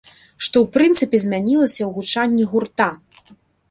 Што ў прынцыпе змянілася ў гучанні гурта?